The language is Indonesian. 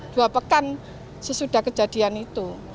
dua pekan sesudah kejadian itu